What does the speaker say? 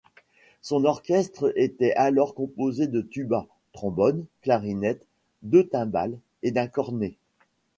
Son orchestre était alors composé de tuba, trombone, clarinette, deux timbales et d’un cornet.